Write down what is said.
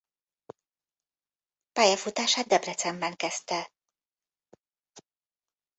Pályafutását Debrecenben kezdte.